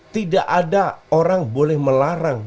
tidak ada orang boleh melarang